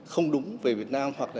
không đúng về việt nam hoặc là